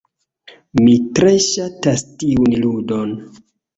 Mi tre ŝatas tiun ludon.